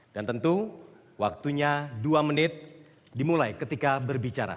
dan tentu waktunya dua menit dimulai ketika berbicara